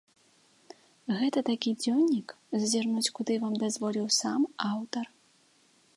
Гэта такі дзённік, зазірнуць куды вам дазволіў сам аўтар.